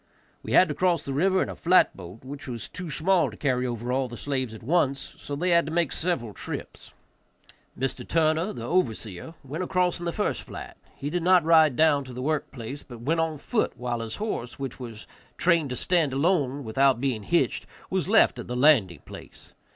We had to cross the river in a flat boat, which was too small to carry over all the slaves at once, so they had to make several trips. Mr. Turner, the overseer, went across in the first flat; he did not ride down to the work place, but went on foot, while his horse, which was trained to stand alone without being hitched, was left at the landing place.